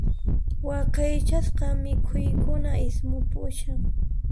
Waqaychasqa mikhuykuna ismupushan.